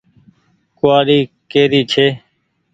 ڪوُوآڙي ڪيري ڇي ۔